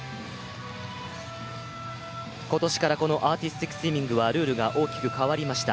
今年からこのアーティスティックスイミングはルールが大きく変わりました。